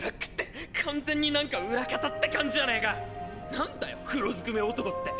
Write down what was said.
何だよ「黒ずくめ男」って！